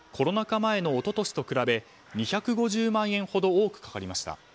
前の一昨年と比べ２５０万円ほど多くかかりました。